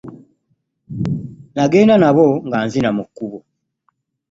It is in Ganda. Nnagenda nabo nga nzina mu kkubo.